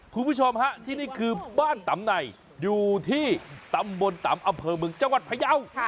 คุณผู้ชมฮะที่นี่คือบ้านตำในอยู่ที่ตำบลตำอำเภอเมืองจังหวัดพยาว